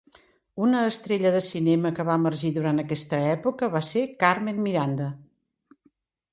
Una estrella de cinema que va emergir durant aquesta època va ser Carmen Miranda.